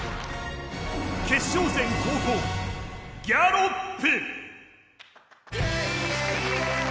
決勝戦後攻、ギャロップ。